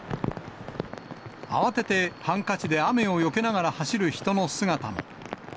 慌ててハンカチで雨をよけながら走る人の姿も。